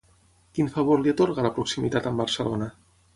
Quin favor li atorga la proximitat amb Barcelona?